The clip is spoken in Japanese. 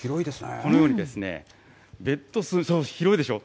このようにですね、ベッド数、そう、広いでしょう。